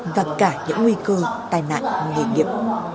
và cả những nguy cơ tài nạn nghề nghiệp